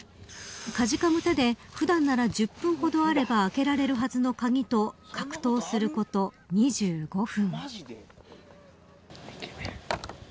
かじかむ手で普段なら１０分ほどあれば開けられるはずの鍵と格闘すること２５分。